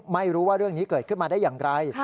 ไม่รู้ว่าเรื่องนี้เกิดขึ้นมาได้อย่างไร